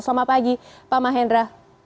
selamat pagi pak mahendra